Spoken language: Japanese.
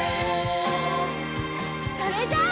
それじゃあ。